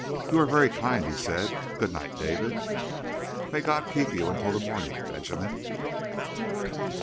"You are very kind," he said. "Good night, David." "May God keep you until the morning, Benjamin."